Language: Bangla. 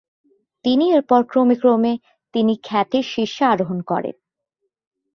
তিনি এরপর ক্রমে ক্রমে তিনি খ্যাতির শীর্ষে আরোহণ করেন।